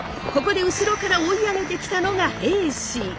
ここで後ろから追い上げてきたのが平氏。